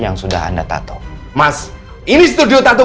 dan harusnya anda tahu desde situ magari